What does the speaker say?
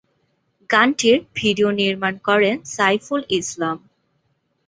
গানটির ভিডিও নির্মাণ করেন সাইফুল ইসলাম।